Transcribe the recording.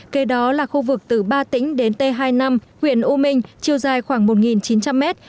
kế đó là khu vực từ ba tĩnh đến t hai năm huyện u minh chiều dài khoảng một chín trăm linh m